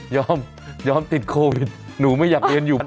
ยอมยอมติดโควิดหนูไม่อยากเรียนอยู่